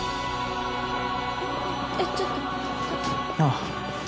えっちょっとあっ円